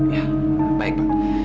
ya baik pak